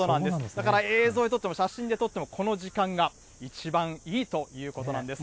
だから映像に撮っても、写真で撮っても、この時間が一番いいということなんです。